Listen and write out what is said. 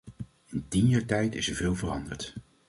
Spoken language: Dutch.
In tien jaar tijd is er veel veranderd.